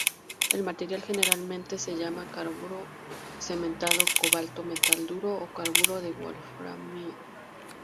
El material generalmente se llama carburo cementado, cobalto metal duro o carburo de wolframio.